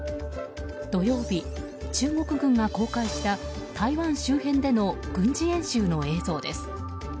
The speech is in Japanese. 土曜日、中国軍が公開した台湾周辺での軍事演習の映像です。